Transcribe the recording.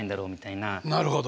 なるほど。